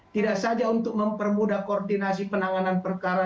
tidak saja untuk mempermudah koordinasi penanganan perkara